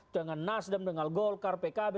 dengan nasdem dengan golkar pkb